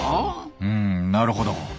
うんなるほど。